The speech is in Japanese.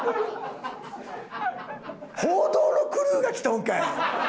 報道のクルーが来とんかい！